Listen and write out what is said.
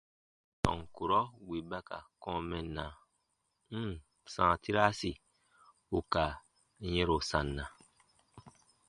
Tɔn kurɔ wì ba ka kɔ̃ɔ mɛnna, n ǹ sãa tiraasi ù ka yɛ̃ro sanna.